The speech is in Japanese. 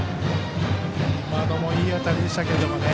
今のもいい当たりでしたけどね